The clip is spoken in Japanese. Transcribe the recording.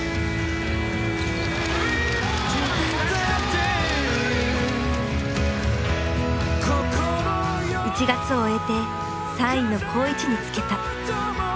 １月を終えて３位の好位置につけた。